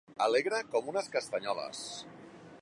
Alegre com unes castanyoles.